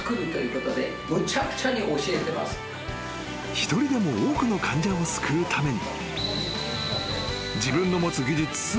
［一人でも多くの患者を救うために］